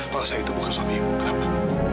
kalau saya itu bukan suami ibu kenapa